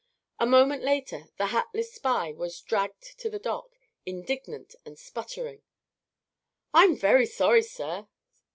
A moment later the hatless spy was dragged to the dock, indignant and sputtering. "I'm very sorry, sir."